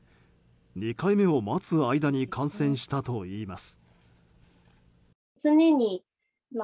２回目を待つ間に感染したといいます。